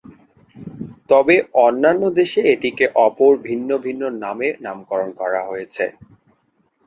তবে, অন্যান্য দেশে এটিকে অপর ভিন্ন ভিন্ন নামে নামকরণ করা হয়েছে।